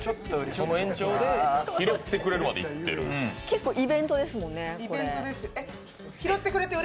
その延長で、拾ってくれるまでいってる結構イベントですもんね、これ。